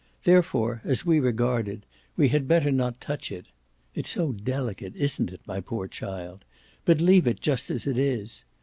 Therefore, as we regard it, we had better not touch it (it's so delicate, isn't it, my poor child?) but leave it just as it is.